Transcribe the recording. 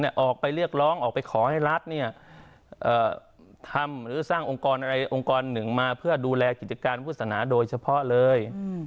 ออกไปการเรียกร้องออกไปขอให้รัฐทำหรือสร้างองค์กรหนึ่งมาเพื่อดูแลกิจการพุทธศาสนาโดยเฉพาะเลย